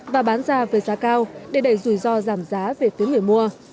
và bán ra với giá cao để đẩy rủi ro giảm giá về phía người mua